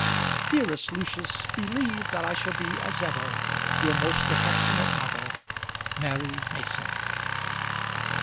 Dearest Lucius, believe that I shall be as ever Your most affectionate mother, MARY MASON.